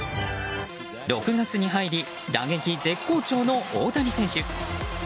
６月に入り打撃絶好調の大谷選手。